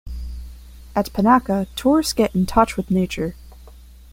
At Panaca, tourists get in touch with nature.